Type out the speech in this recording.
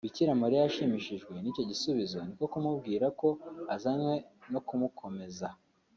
Bikiramariya yashimishijwe n’icyo gisubizo ni ko kumubwira ko azanywe no kumukomeza